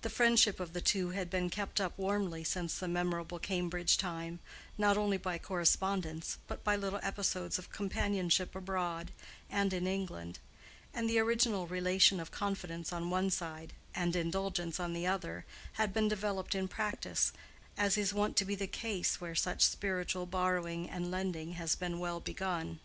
The friendship of the two had been kept up warmly since the memorable Cambridge time, not only by correspondence but by little episodes of companionship abroad and in England, and the original relation of confidence on one side and indulgence on the other had been developed in practice, as is wont to be the case where such spiritual borrowing and lending has been well begun.